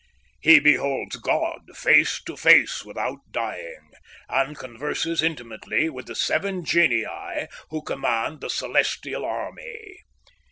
He beholds God face to face without dying, and converses intimately with the Seven Genii who command the celestial army.